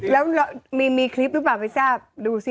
แล้วมีคลิปหรือเปล่าไม่ทราบดูสิ